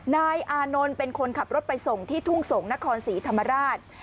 นายอานนท์เป็นคนขับรถไปส่งที่ทุ่งสงศ์นครศรีธรรมราช